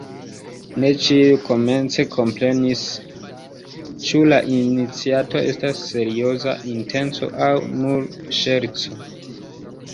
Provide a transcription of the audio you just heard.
Ne ĉiuj komence komprenis, ĉu la iniciato estas serioza intenco aŭ nur ŝerco.